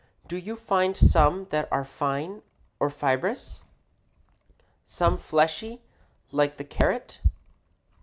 Do you find some that are fine or fibrous? some fleshy like the carrot?